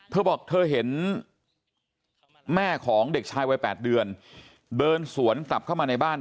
เธอบอกเธอเห็นแม่ของเด็กชายวัย๘เดือนเดินสวนกลับเข้ามาในบ้าน